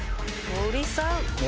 森さん。